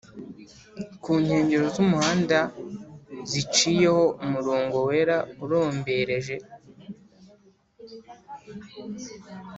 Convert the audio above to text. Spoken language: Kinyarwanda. kunkengero z’umuhanda ziciyeho umurongo wera urombereje